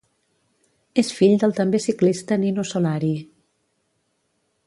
És fill del també ciclista Nino Solari.